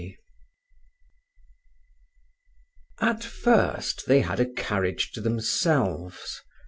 XX At first they had a carriage to themselves.